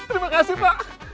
pak terima kasih pak